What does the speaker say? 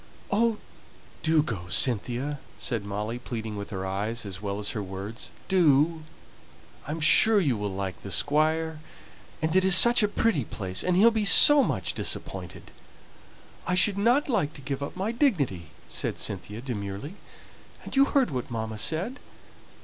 "Oh, do go, Cynthia!" said Molly, pleading with her eyes as well as her words. "Do; I am sure you will like the Squire; and it is such a pretty place, and he'll be so much disappointed." "I should not like to give up my dignity," said Cynthia, demurely. "And you heard what mamma said!"